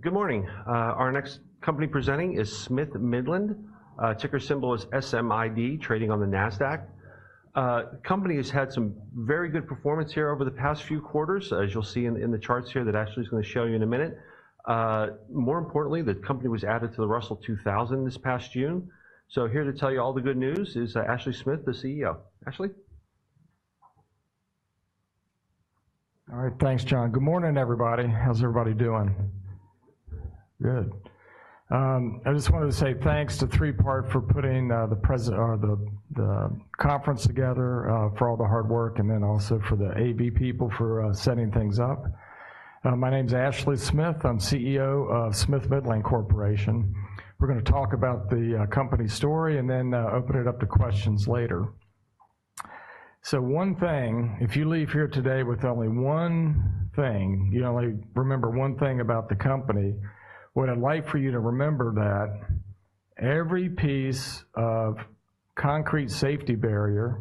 Good morning. Our next company presenting is Smith-Midland. Ticker symbol is SMID, trading on the Nasdaq. The company has had some very good performance here over the past few quarters, as you'll see in the charts here that Ashley's gonna show you in a minute. More importantly, the company was added to the Russell 2000 this past June. So here to tell you all the good news is Ashley Smith, the CEO. Ashley? All right, thanks, John. Good morning, everybody. How's everybody doing? Good. I just wanted to say thanks to Three Part Advisors for putting the conference together for all the hard work, and then also for the AV people for setting things up. My name is Ashley Smith. I'm CEO of Smith-Midland Corporation. We're gonna talk about the company story, and then open it up to questions later. So one thing, if you leave here today with only one thing, you only remember one thing about the company, what I'd like for you to remember that every piece of concrete safety barrier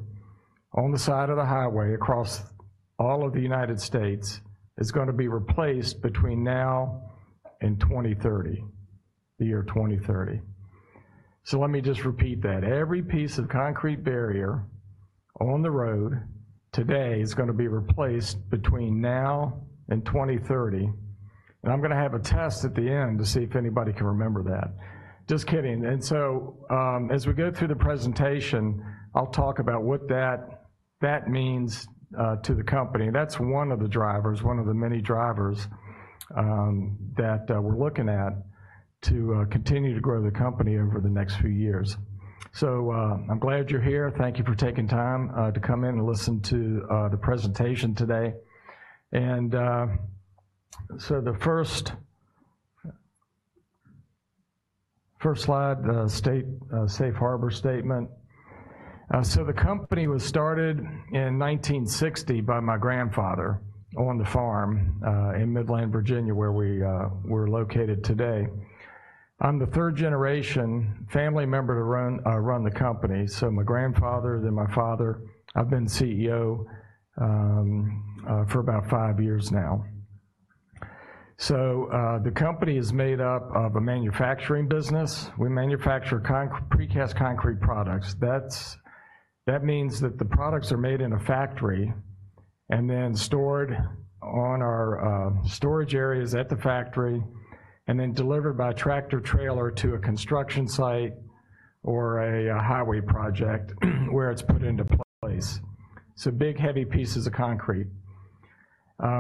on the side of the highway across all of the United States is gonna be replaced between now and twenty thirty. The year twenty thirty. So let me just repeat that. Every piece of concrete barrier on the road today is gonna be replaced between now and 2030, and I'm gonna have a test at the end to see if anybody can remember that. Just kidding. And so, as we go through the presentation, I'll talk about what that means to the company. That's one of the drivers, one of the many drivers, that we're looking at to continue to grow the company over the next few years. So, I'm glad you're here. Thank you for taking time to come in and listen to the presentation today. And, so the first slide, safe harbor statement. So the company was started in 1960 by my grandfather on the farm in Midland, Virginia, where we are located today. I'm the third generation family member to run run the company. So my grandfather, then my father. I've been CEO for about five years now. So, the company is made up of a manufacturing business. We manufacture precast concrete products. That means that the products are made in a factory and then stored on our storage areas at the factory, and then delivered by a tractor trailer to a construction site or a highway project where it's put into place. So big, heavy pieces of concrete.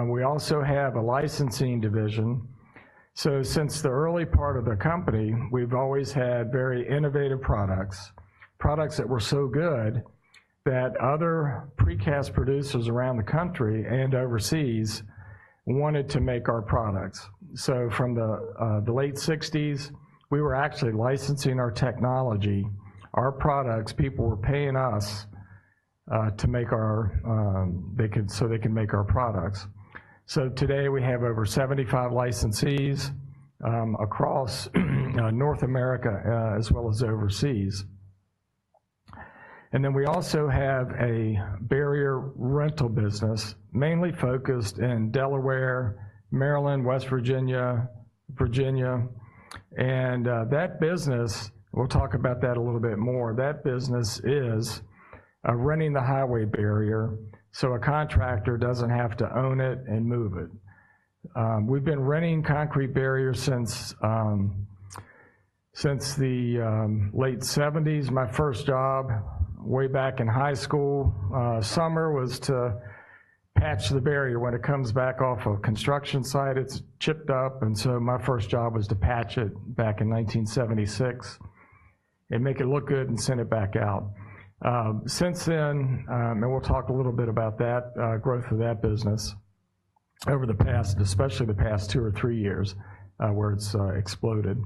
We also have a licensing division. So since the early part of the company, we've always had very innovative products, products that were so good that other precast producers around the country and overseas wanted to make our products. So from the late sixties, we were actually licensing our technology, our products. People were paying us to make our, so they can make our products. So today we have over 75 licensees across North America as well as overseas. And then we also have a barrier rental business, mainly focused in Delaware, Maryland, West Virginia, Virginia, and that business. We'll talk about that a little bit more. That business is renting the highway barrier, so a contractor doesn't have to own it and move it. We've been renting concrete barriers since the late seventies. My first job, way back in high school summer, was to patch the barrier. When it comes back off a construction site, it's chipped up, and so my first job was to patch it back in nineteen seventy-six and make it look good and send it back out. Since then, and we'll talk a little bit about that, growth of that business over the past, especially the past two or three years, where it's exploded.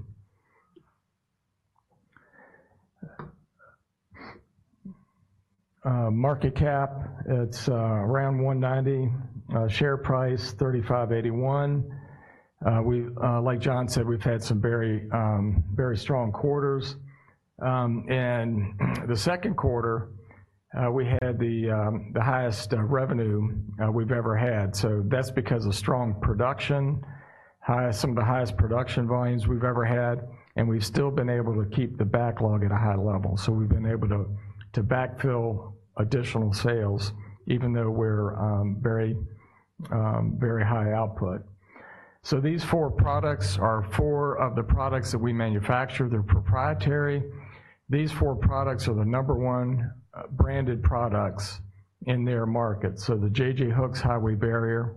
Market cap, it's around $190 million. Share price, thirty-five eighty-one. We, like John said, we've had some very very strong quarters, and the second quarter we had the highest revenue we've ever had. So that's because of strong production, some of the highest production volumes we've ever had, and we've still been able to keep the backlog at a high level. So we've been able to backfill additional sales, even though we're very very high output. So these four products are four of the products that we manufacture. They're proprietary. These four products are the number one branded products in their market. So the J-J Hooks highway barrier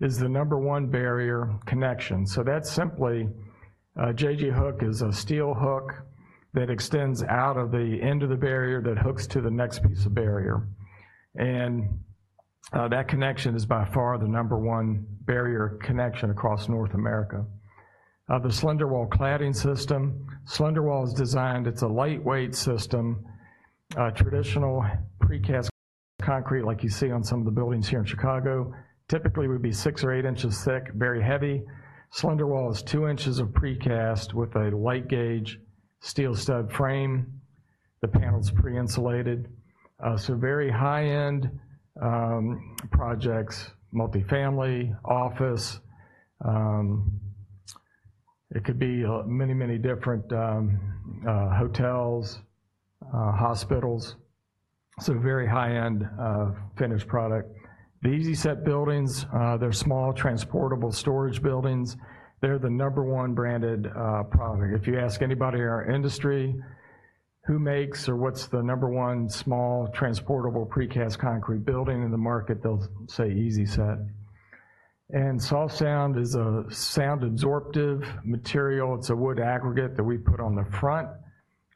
is the number one barrier connection. So that's simply, J-J Hook is a steel hook that extends out of the end of the barrier that hooks to the next piece of barrier. And, that connection is by far the number one barrier connection across North America. The SlenderWall cladding system. SlenderWall is designed, it's a lightweight system, traditional precast concrete, like you see on some of the buildings here in Chicago. Typically, would be six or eight inches thick, very heavy. SlenderWall is two inches of precast with a light-gauge steel stud frame. The panel's pre-insulated. So very high-end projects, multifamily, office, it could be many, many different hotels, hospitals. So very high-end finished product. The Easi-Set buildings, they're small, transportable storage buildings. They're the number one branded product. If you ask anybody in our industry who makes or what's the number one small, transportable, precast concrete building in the market, they'll say Easi-Set, and SoftSound is a sound-absorptive material. It's a wood aggregate that we put on the front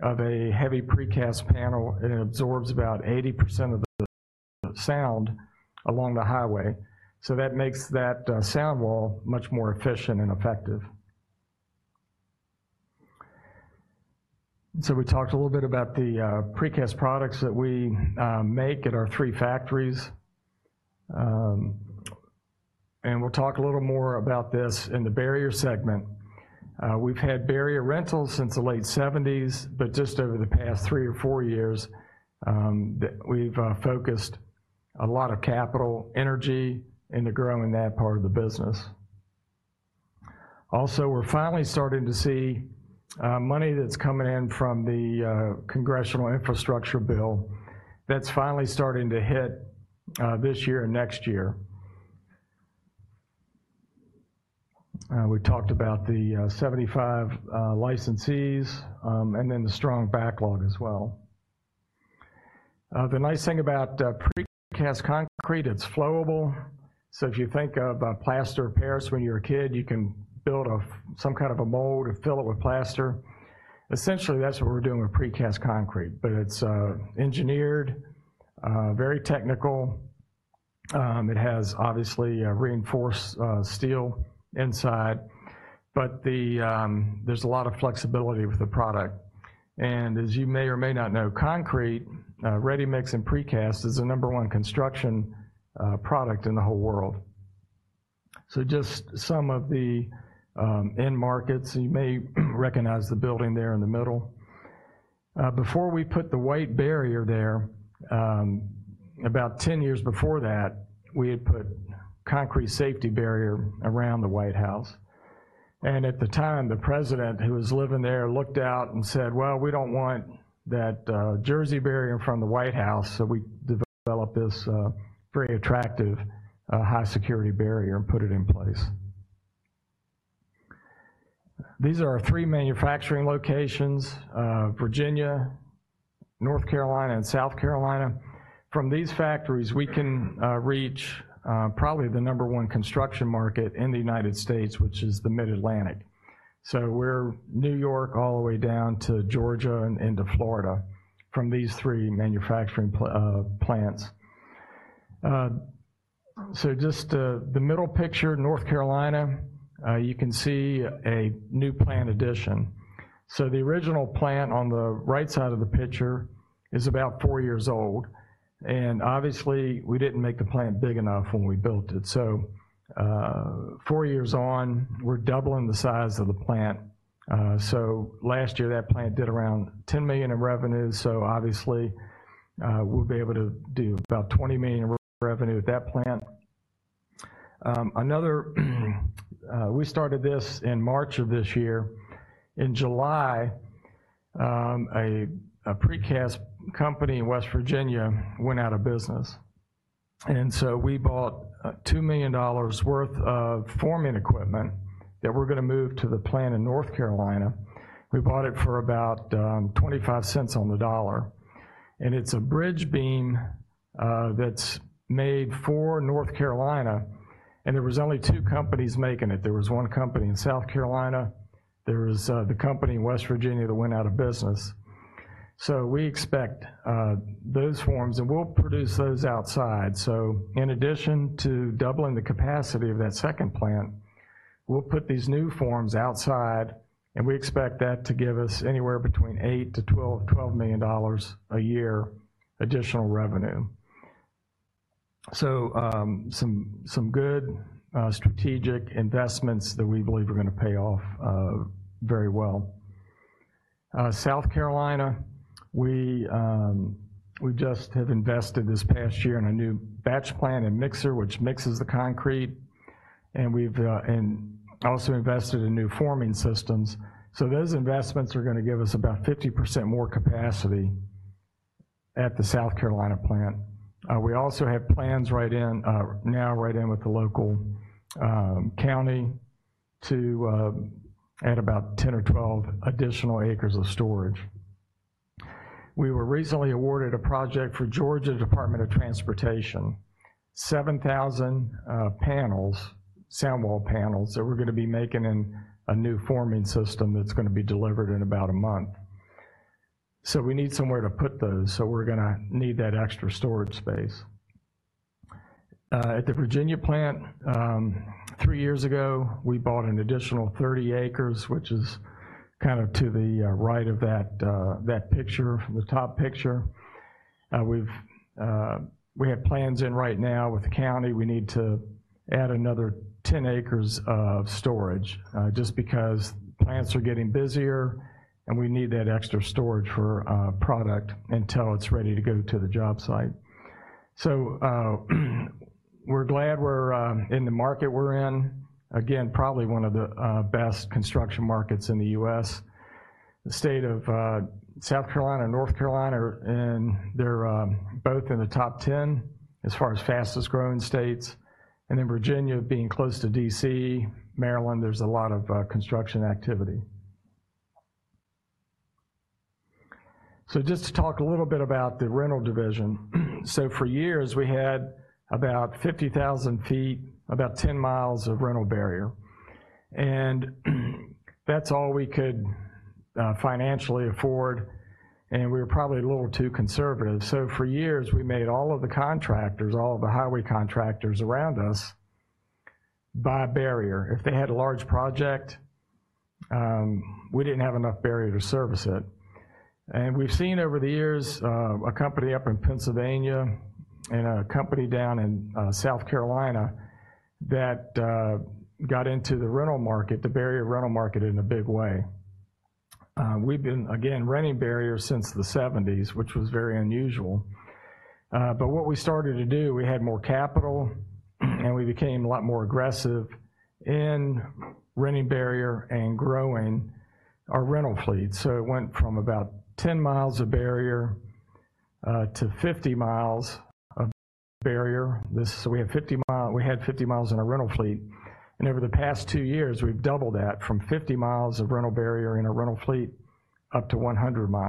of a heavy precast panel, and it absorbs about 80% of the sound along the highway, so that makes that sound wall much more efficient and effective, so we talked a little bit about the precast products that we make at our three factories, and we'll talk a little more about this in the barrier segment. We've had barrier rentals since the late 1970s, but just over the past three or four years, that we've focused a lot of capital, energy into growing that part of the business. Also, we're finally starting to see, money that's coming in from the, Congressional Infrastructure Bill that's finally starting to hit, this year and next year. We talked about the, 75, licensees, and then the strong backlog as well. The nice thing about, precast concrete, it's flowable. So if you think of, plaster of Paris when you're a kid, you can build a, some kind of a mold and fill it with plaster. Essentially, that's what we're doing with precast concrete, but it's, engineered, very technical. It has obviously, reinforced, steel inside, but the... There's a lot of flexibility with the product. And as you may or may not know, concrete, ready-mix and precast, is the number one construction product in the whole world. So just some of the end markets, you may recognize the building there in the middle. Before we put the white barrier there, about ten years before that, we had put concrete safety barrier around the White House. And at the time, the president, who was living there, looked out and said, "Well, we don't want that Jersey barrier in front of the White House." So we developed this very attractive high-security barrier and put it in place. These are our three manufacturing locations: Virginia, North Carolina, and South Carolina. From these factories, we can reach probably the number one construction market in the United States, which is the Mid-Atlantic. So we're New York, all the way down to Georgia and into Florida from these three manufacturing plants. So just the middle picture, North Carolina, you can see a new plant addition. So the original plant on the right side of the picture is about four years old, and obviously, we didn't make the plant big enough when we built it. So four years on, we're doubling the size of the plant. So last year, that plant did around $10 million in revenue, so obviously we'll be able to do about $20 million in revenue at that plant. Another we started this in March of this year. In July, a precast company in West Virginia went out of business, and so we bought $2 million worth of forming equipment that we're gonna move to the plant in North Carolina. We bought it for about 25 cents on the dollar, and it's a bridge beam that's made for North Carolina, and there was only two companies making it. There was one company in South Carolina. There was the company in West Virginia that went out of business. So we expect those forms, and we'll produce those outside. So in addition to doubling the capacity of that second plant, we'll put these new forms outside, and we expect that to give us anywhere between $8 million-$12 million a year, additional revenue. Some good strategic investments that we believe are gonna pay off very well. South Carolina, we just have invested this past year in a new batch plant and mixer, which mixes the concrete, and we've also invested in new forming systems. So those investments are gonna give us about 50% more capacity at the South Carolina plant. We also have plans right now right in with the local county to add about 10 or 12 additional acres of storage. We were recently awarded a project for Georgia Department of Transportation, 7,000 panels, sound wall panels, that we're gonna be making in a new forming system that's gonna be delivered in about a month. So we need somewhere to put those, so we're gonna need that extra storage space. At the Virginia plant, three years ago, we bought an additional 30 acres, which is kind of to the right of that picture, the top picture. We've, we have plans in right now with the county. We need to add another 10 acres of storage, just because plants are getting busier, and we need that extra storage for product until it's ready to go to the job site, so we're glad we're in the market we're in. Again, probably one of the best construction markets in the U.S. The state of South Carolina and North Carolina are in. They're both in the top 10 as far as fastest growing states, and in Virginia, being close to DC, Maryland, there's a lot of construction activity, so just to talk a little bit about the rental division. So for years, we had about 50,000 feet, about 10 miles of rental barrier, and that's all we could financially afford, and we were probably a little too conservative. So for years, we made all of the contractors, all of the highway contractors around us, buy a barrier. If they had a large project, we didn't have enough barrier to service it. And we've seen over the years, a company up in Pennsylvania and a company down in South Carolina that got into the rental market, the barrier rental market, in a big way. We've been, again, renting barriers since the 1970s, which was very unusual. But what we started to do, we had more capital, and we became a lot more aggressive in renting barrier and growing our rental fleet. So it went from about 10 mi of barrier to 50 mi of barrier. We had 50 mi in our rental fleet, and over the past two years, we've doubled that from 50 mi of rental barrier in a rental fleet up to 100 mi.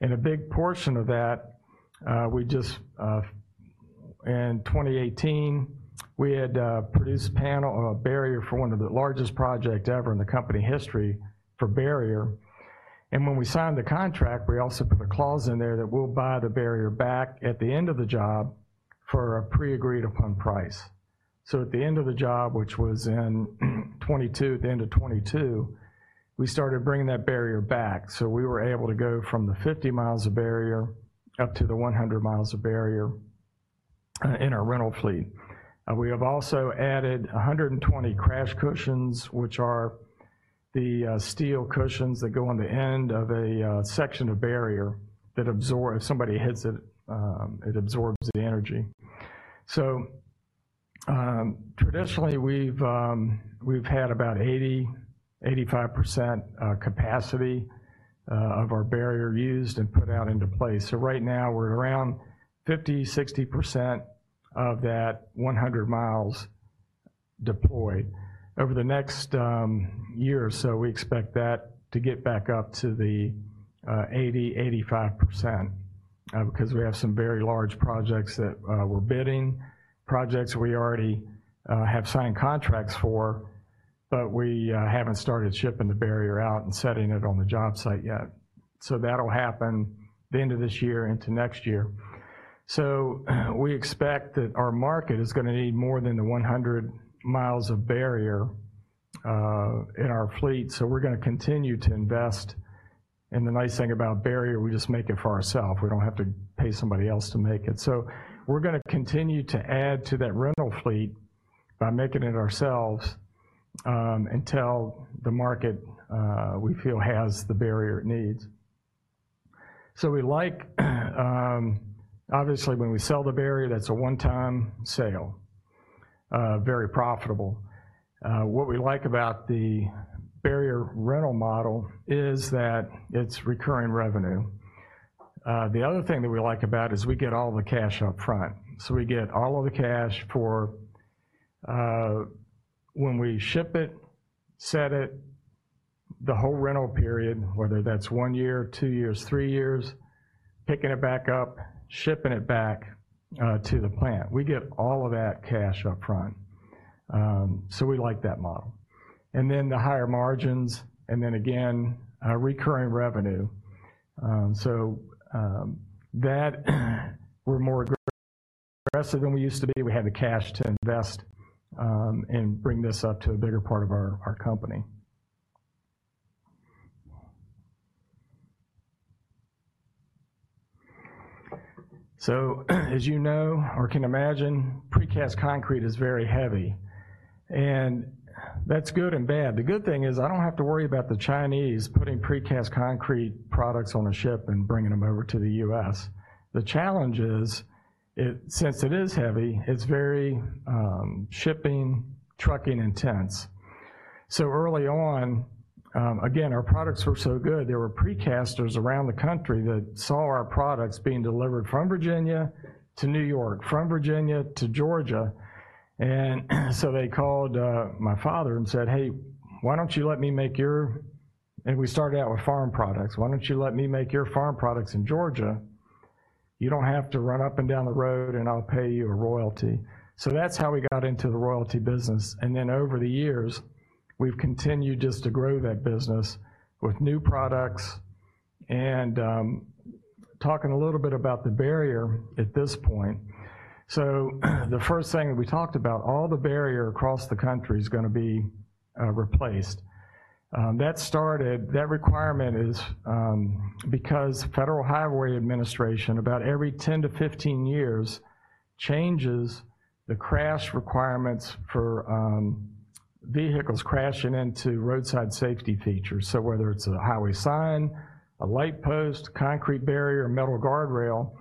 And a big portion of that, we just... In 2018, we had produced a panel or a barrier for one of the largest project ever in the company history for barrier. And when we signed the contract, we also put a clause in there that we'll buy the barrier back at the end of the job for a pre-agreed-upon price. So at the end of the job, which was in 2022, at the end of 2022, we started bringing that barrier back. So we were able to go from the 50 miles of barrier up to the 100 miles of barrier in our rental fleet. We have also added 120 crash cushions, which are the steel cushions that go on the end of a section of barrier that absorb. If somebody hits it, it absorbs the energy. Traditionally, we've had about 80%-85% capacity of our barrier used and put out into place. So right now, we're at around 50%-60% of that 100 miles deployed. Over the next year or so, we expect that to get back up to the 80%-85%, because we have some very large projects that we're bidding, projects we already have signed contracts for, but we haven't started shipping the barrier out and setting it on the job site yet. So that'll happen at the end of this year into next year. So we expect that our market is gonna need more than the 100 miles of barrier in our fleet, so we're gonna continue to invest. And the nice thing about barrier, we just make it for ourself. We don't have to pay somebody else to make it. So we're gonna continue to add to that rental fleet by making it ourselves until the market we feel has the barrier it needs. So we like, obviously, when we sell the barrier, that's a one-time sale, very profitable. What we like about the barrier rental model is that it's recurring revenue. The other thing that we like about it is we get all of the cash up front. So we get all of the cash for when we ship it, set it, the whole rental period, whether that's one year, two years, three years, picking it back up, shipping it back, to the plant. We get all of that cash up front. So we like that model. And then the higher margins, and then again, recurring revenue. So that we're more aggressive than we used to be. We have the cash to invest, and bring this up to a bigger part of our company. So, as you know or can imagine, precast concrete is very heavy, and that's good and bad. The good thing is, I don't have to worry about the Chinese putting precast concrete products on a ship and bringing them over to the U.S. The challenge is, it-- since it is heavy, it's very, shipping, trucking intense. So early on, again, our products were so good, there were precasters around the country that saw our products being delivered from Virginia to New York, from Virginia to Georgia, and so they called, my father and said, "Hey, why don't you let me make your..." And we started out with farm products. "Why don't you let me make your farm products in Georgia? You don't have to run up and down the road, and I'll pay you a royalty." So that's how we got into the royalty business, and then over the years, we've continued just to grow that business with new products. And talking a little bit about the barrier at this point. So the first thing that we talked about, all the barrier across the country is gonna be replaced. That started, that requirement is because Federal Highway Administration about every 10-15 years changes the crash requirements for vehicles crashing into roadside safety features. So whether it's a highway sign, a light post, concrete barrier, or metal guardrail,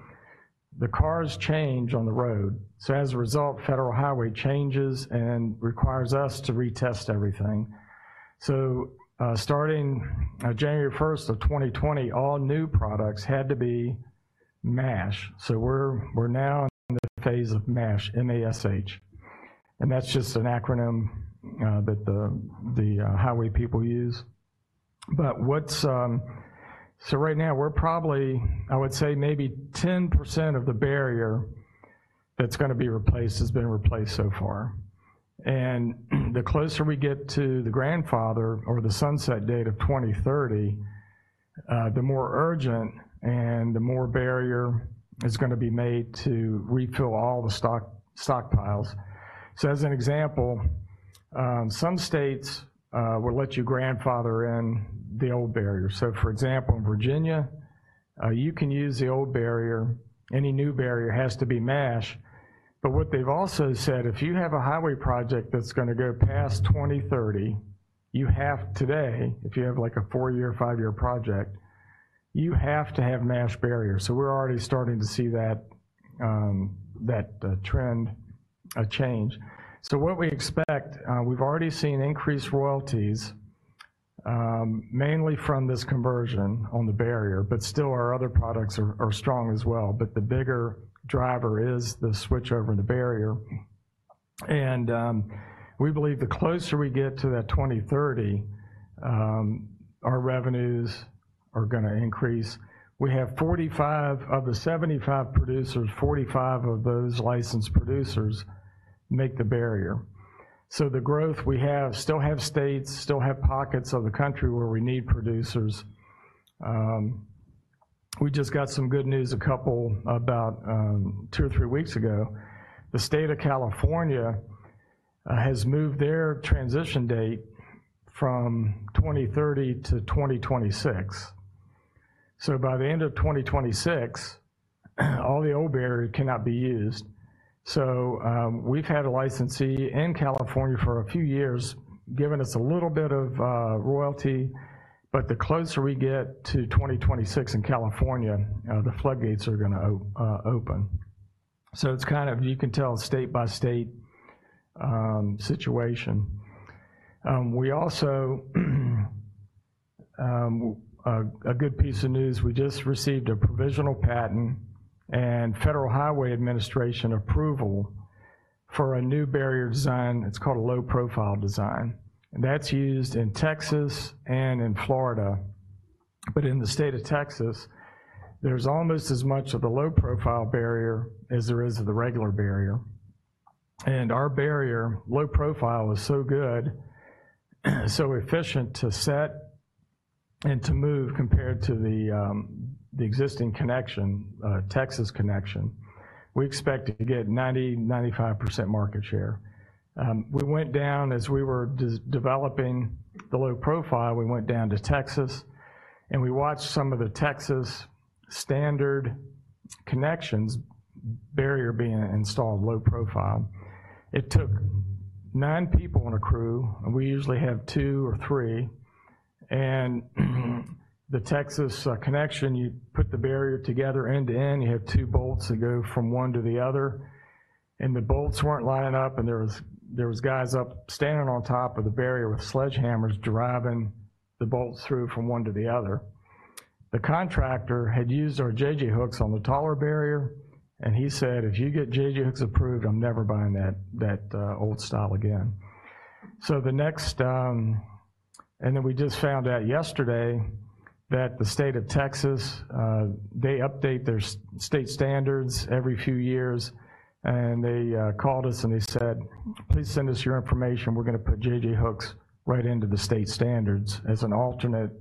the cars change on the road. So as a result, Federal Highway changes and requires us to retest everything. So starting January first of 2020, all new products had to be MASH. So we're now in the phase of MASH, M-A-S-H, and that's just an acronym that the highway people use. So right now we're probably, I would say maybe 10% of the barrier that's gonna be replaced has been replaced so far. And the closer we get to the grandfather or the sunset date of 2030, the more urgent and the more barrier is gonna be made to refill all the stock, stockpiles. So as an example, some states will let you grandfather in the old barrier. So for example, in Virginia, you can use the old barrier. Any new barrier has to be MASH. But what they've also said, if you have a highway project that's gonna go past 2030, you have, today, if you have like a four-year, five-year project, you have to have MASH barriers. So we're already starting to see that trend change. So what we expect, we've already seen increased royalties, mainly from this conversion on the barrier, but still our other products are strong as well. But the bigger driver is the switch over the barrier. And we believe the closer we get to that 2030, our revenues are gonna increase. We have 45 of the 75 producers, 45 of those licensed producers make the barrier. So the growth we have, still have states, still have pockets of the country where we need producers. We just got some good news, a couple about two or three weeks ago. The State of California has moved their transition date from twenty thirty to twenty twenty-six. So by the end of twenty twenty-six, all the old barrier cannot be used. So we've had a licensee in California for a few years, giving us a little bit of royalty, but the closer we get to twenty twenty-six in California, the floodgates are gonna open. So it's kind of you can tell state-by-state situation. We also a good piece of news, we just received a provisional patent and Federal Highway Administration approval for a new barrier design. It's called a low-profile design, and that's used in Texas and in Florida. But in the state of Texas, there's almost as much of the low-profile barrier as there is of the regular barrier. And our barrier, low profile, is so good, so efficient to set and to move compared to the, the existing connection, Texas connection. We expect to get 90%-95% market share. We went down as we were developing the low profile, we went down to Texas, and we watched some of the Texas standard connections barrier being installed, low profile. It took nine people on a crew, and we usually have two or three. And the Texas connection, you put the barrier together end to end, you have two bolts that go from one to the other, and the bolts weren't lining up, and there was guys up standing on top of the barrier with sledgehammers, driving the bolts through from one to the other. The contractor had used our J-J Hooks on the taller barrier, and he said: "If you get J-J Hooks approved, I'm never buying that old style again." And then we just found out yesterday that the state of Texas, they update their state standards every few years, and they called us and they said: "Please send us your information. We're gonna put J-J Hooks right into the state standards as an alternate."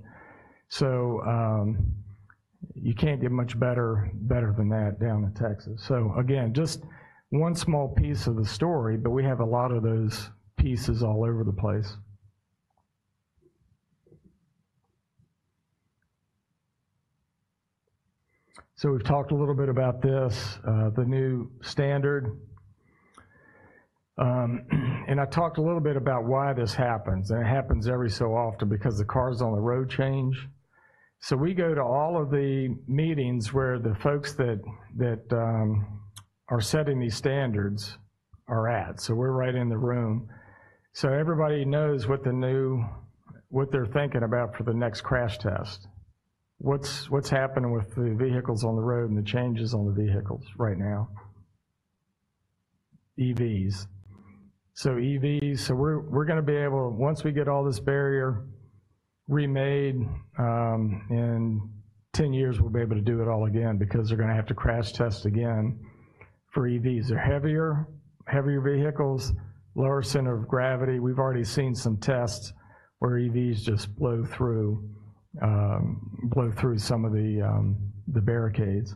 So, you can't get much better than that down in Texas. So again, just one small piece of the story, but we have a lot of those pieces all over the place. So we've talked a little bit about this, the new standard. And I talked a little bit about why this happens, and it happens every so often because the cars on the road change. So we go to all of the meetings where the folks that are setting these standards are at. So we're right in the room. So everybody knows what they're thinking about for the next crash test, what's happening with the vehicles on the road, and the changes on the vehicles right now. EVs. EVs. We're gonna be able to—Once we get all this barrier remade, in ten years, we'll be able to do it all again because they're gonna have to crash test again for EVs. They're heavier vehicles, lower center of gravity. We've already seen some tests where EVs just blow through some of the barricades.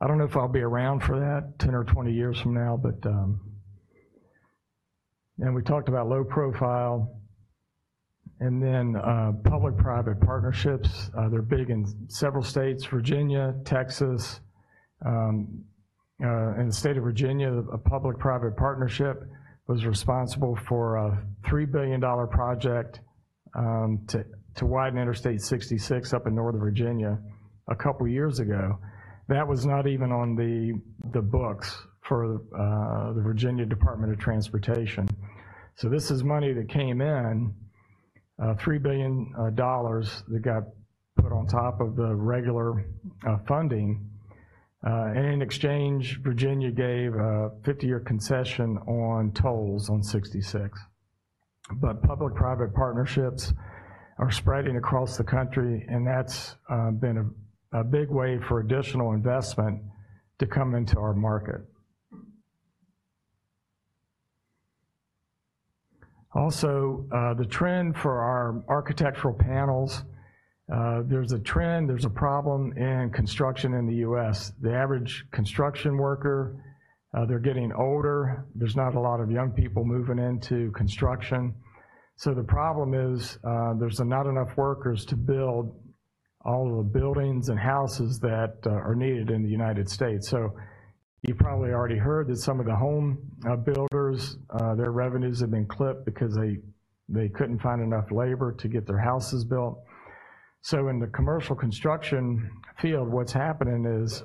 I don't know if I'll be around for that ten or twenty years from now, but. We talked about low profile and then public-private partnerships. They're big in several states, Virginia, Texas. In the state of Virginia, a public-private partnership was responsible for a $3 billion project to widen Interstate 66 up in Northern Virginia a couple years ago. That was not even on the books for the Virginia Department of Transportation. So this is money that came in, $3 billion dollars that got put on top of the regular funding. And in exchange, Virginia gave a 50-year concession on tolls on 66. But public-private partnerships are spreading across the country, and that's been a big way for additional investment to come into our market. Also, the trend for our architectural panels, there's a problem in construction in the U.S. The average construction worker, they're getting older. There's not a lot of young people moving into construction. So the problem is, there's not enough workers to build all of the buildings and houses that are needed in the United States. So you probably already heard that some of the home builders their revenues have been clipped because they couldn't find enough labor to get their houses built. So in the commercial construction field, what's happening is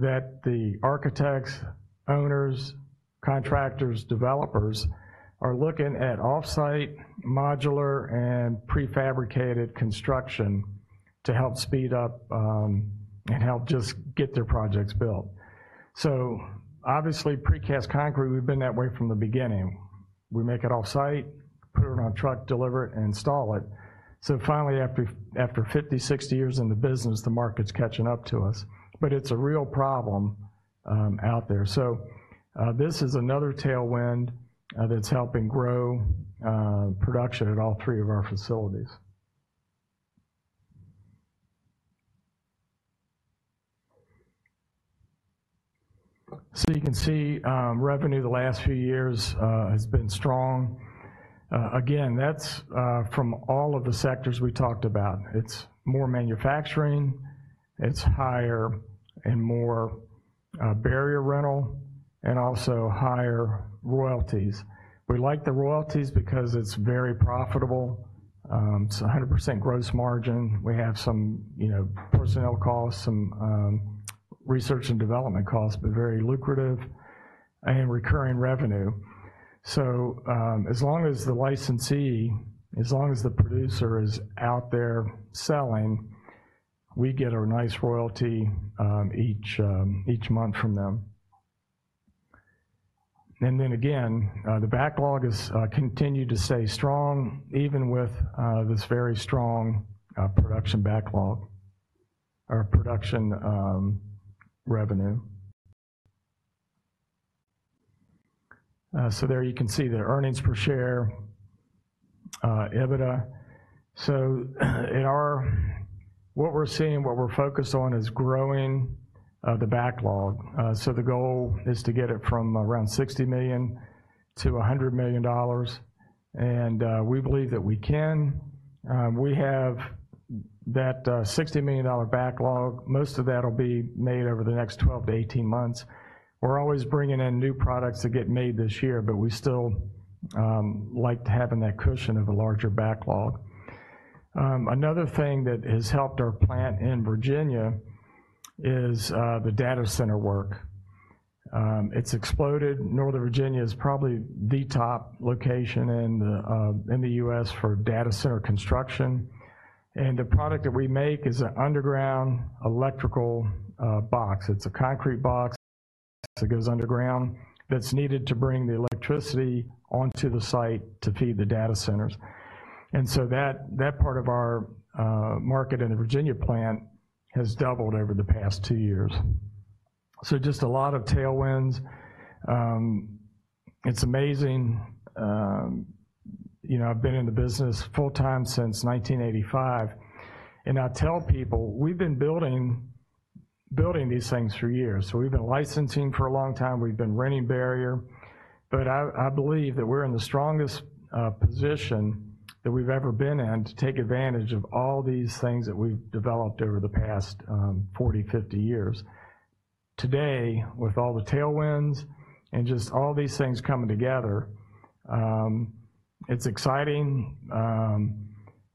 that the architects, owners, contractors, developers are looking at off-site, modular, and prefabricated construction to help speed up and help just get their projects built. So obviously, precast concrete, we've been that way from the beginning. We make it off-site, put it on a truck, deliver it, and install it. So finally, after fifty, sixty years in the business, the market's catching up to us, but it's a real problem out there. So this is another tailwind that's helping grow production at all three of our facilities. So you can see revenue the last few years has been strong. Again, that's from all of the sectors we talked about. It's more manufacturing, it's higher and more barrier rental, and also higher royalties. We like the royalties because it's very profitable. It's 100% gross margin. We have some, you know, personnel costs, some research and development costs, but very lucrative and recurring revenue. So, as long as the licensee, as long as the producer is out there selling, we get a nice royalty each month from them. And then again, the backlog is continued to stay strong, even with this very strong production backlog or production revenue. So there you can see the earnings per share, EBITDA. So in our-- what we're seeing, what we're focused on, is growing the backlog. So the goal is to get it from around $60 million-$100 million dollars, and we believe that we can. We have that $60 million dollar backlog. Most of that will be made over the next 12 to 18 months. We're always bringing in new products that get made this year, but we still like to have in that cushion of a larger backlog. Another thing that has helped our plant in Virginia is the data center work. It's exploded. Northern Virginia is probably the top location in the U.S. for data center construction, and the product that we make is an underground electrical box. It's a concrete box that goes underground, that's needed to bring the electricity onto the site to feed the data centers. That part of our market in the Virginia plant has doubled over the past two years. Just a lot of tailwinds. It's amazing. You know, I've been in the business full-time since 1985, and I tell people, we've been building these things for years. We've been licensing for a long time. We've been renting barrier. But I believe that we're in the strongest position that we've ever been in to take advantage of all these things that we've developed over the past forty, fifty years. Today, with all the tailwinds and just all these things coming together, it's exciting,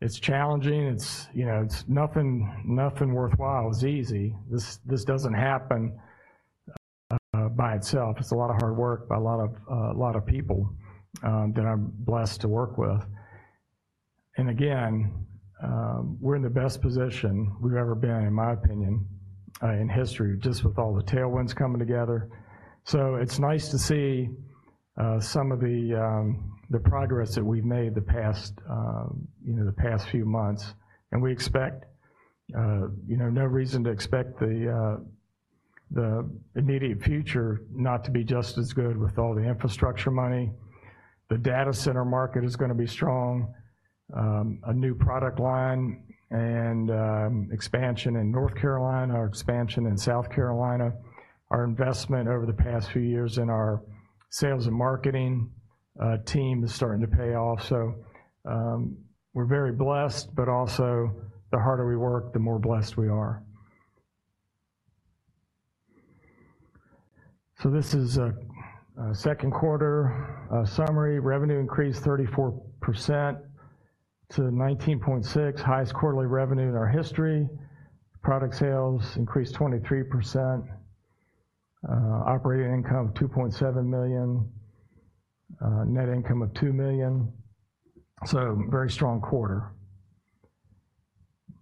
it's challenging, you know, it's nothing worthwhile is easy. This doesn't happen by itself. It's a lot of hard work by a lot of people that I'm blessed to work with. Again, we're in the best position we've ever been, in my opinion, in history, just with all the tailwinds coming together. It's nice to see some of the progress that we've made the past few months. We expect no reason to expect the immediate future not to be just as good with all the infrastructure money. The data center market is going to be strong, a new product line and expansion in North Carolina, our expansion in South Carolina, our investment over the past few years in our sales and marketing team is starting to pay off. We're very blessed, but also the harder we work, the more blessed we are. This is a second quarter summary. Revenue increased 34% to $19.6 million, highest quarterly revenue in our history. Product sales increased 23%. Operating income $2.7 million. Net income of $2 million. Very strong quarter.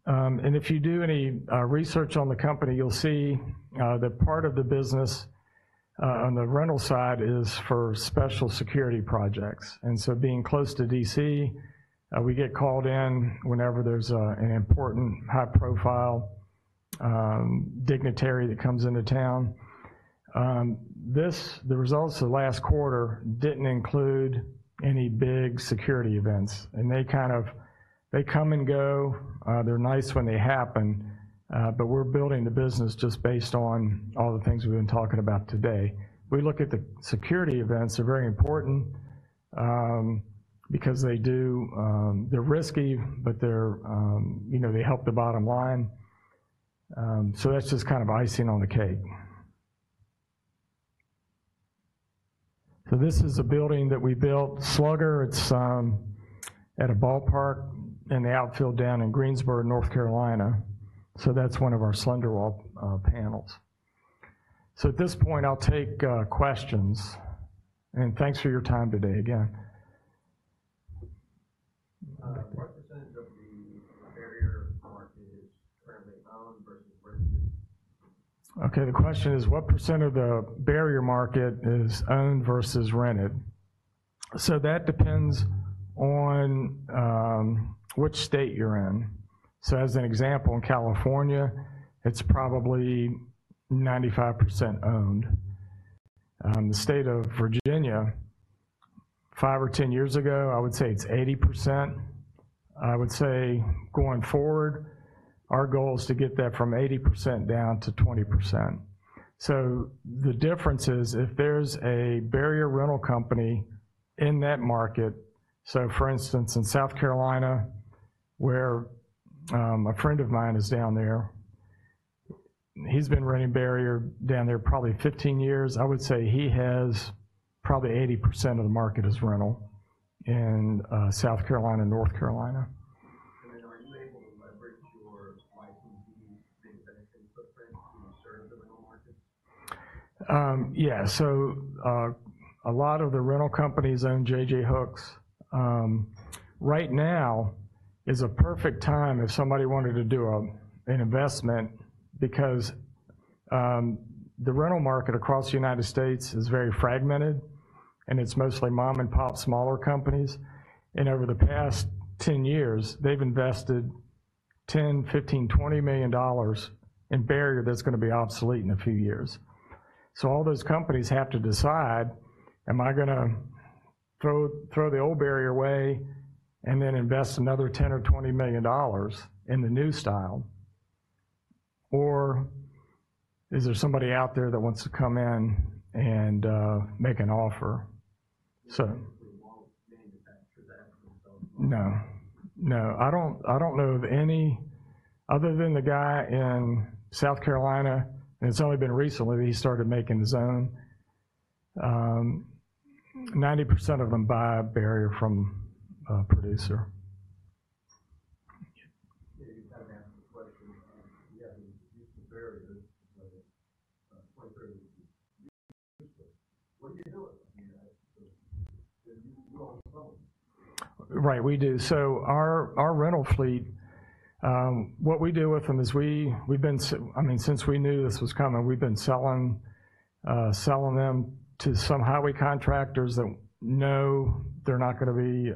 And if you do any research on the company, you'll see that part of the business on the rental side is for special security projects, and so being close to DC, we get called in whenever there's an important, high-profile dignitary that comes into town. The results of last quarter didn't include any big security events, and they kind of come and go. They're nice when they happen, but we're building the business just based on all the things we've been talking about today. We look at the security events are very important, because they do, they're risky, but they're, you know, they help the bottom line. So that's just kind of icing on the cake. So this is a building that we built, Slugger. It's at a ballpark in the outfield down in Greensboro, North Carolina. So that's one of our SlenderWall panels. So at this point, I'll take questions, and thanks for your time today again. What % of the barrier market is currently owned versus rented? Okay, the question is, what percent of the barrier market is owned versus rented? So that depends on which state you're in. So as an example, in California, it's probably 95% owned. The state of Virginia, five or 10 years ago, I would say it's 80%. I would say going forward, our goal is to get that from 80% down to 20%. So the difference is, if there's a barrier rental company in that market, so for instance, in South Carolina, where a friend of mine is down there, he's been running barrier down there probably 15 years. I would say he has probably 80% of the market is rental in South Carolina and North Carolina. [inaudible] Yeah. So, a lot of the rental companies own J-J Hooks. Right now is a perfect time if somebody wanted to do an investment because the rental market across the United States is very fragmented, and it's mostly mom-and-pop, smaller companies, and over the past 10 years, they've invested $10 million, $15 million, $20 million in barrier that's gonna be obsolete in a few years. So all those companies have to decide, am I gonna throw the old barrier away and then invest another $10 million or $20 million in the new style, or is there somebody out there that wants to come in and make an offer? So- [inaudible] No. No, I don't know of any, other than the guy in South Carolina, and it's only been recently that he started making his own. 90% of them buy a barrier from a producer. Yeah, you kinda answered the question. Yeah, the barrier, but what do you do with it? You own the phone. Right, we do. So our rental fleet, what we do with them is we've been, I mean, since we knew this was coming, we've been selling them to some highway contractors that know they're not gonna be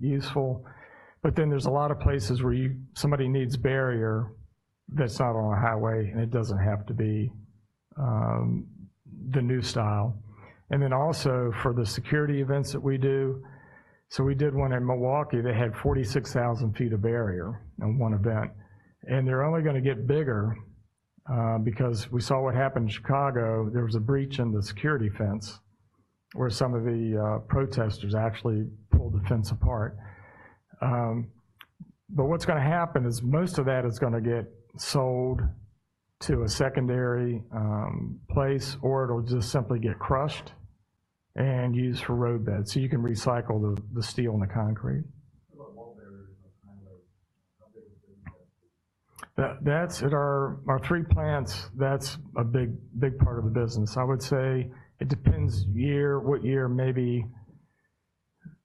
useful. But then there's a lot of places where somebody needs barrier that's not on a highway, and it doesn't have to be the new style. And then also for the security events that we do, so we did one in Milwaukee that had forty-six thousand feet of barrier in one event, and they're only gonna get bigger, because we saw what happened in Chicago. There was a breach in the security fence, where some of the protesters actually pulled the fence apart. But what's gonna happen is most of that is gonna get sold to a secondary place, or it'll just simply get crushed and used for roadbed. So you can recycle the steel and the concrete. What about wall barriers are kind of... That, that's at our three plants, that's a big, big part of the business. I would say it depends year, what year, maybe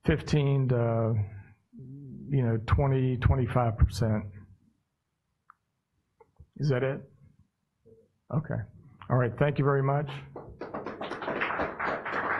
15% to, you know, 20%-25%. Is that it? Okay. All right. Thank you very much.